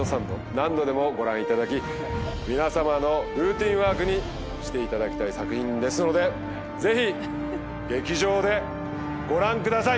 何度でもご覧いただき皆さまのルーティンワークにしていただきたい作品ですのでぜひ劇場でご覧ください。